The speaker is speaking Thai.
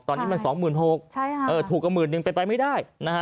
ตอนนี้มัน๒๖๐๐๐ถูกกว่า๑๑๐๐๐เป็นไปไม่ได้